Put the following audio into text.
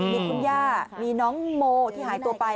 มีคุณย่ามีน้องโมที่หายตัวไป